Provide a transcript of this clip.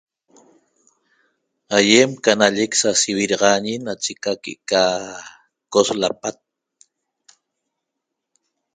Aiem ca nallec sasiviraxañi nache ca que'eca cos lapat